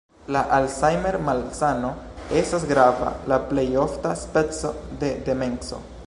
La Alzheimer-malsano estas grava, la plej ofta speco de demenco.